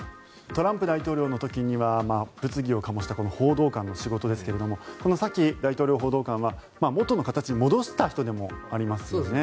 トランプ大統領の時には物議をかもした報道官の仕事ですがこのサキ大統領報道官は元の形に戻した人でもありますね。